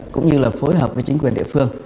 cũng như là phối hợp với chính quyền địa phương